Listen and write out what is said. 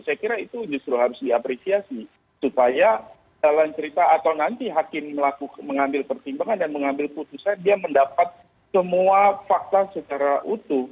saya kira itu justru harus diapresiasi supaya dalam cerita atau nanti hakim mengambil pertimbangan dan mengambil putusan dia mendapat semua fakta secara utuh